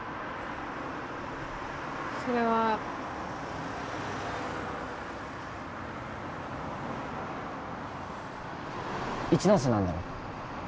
それは一ノ瀬なんだろ？